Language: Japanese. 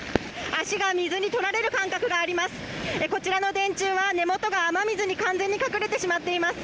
足が水にとられる感覚があります。